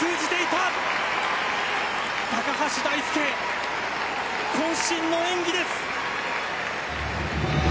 高橋大輔渾身の演技です。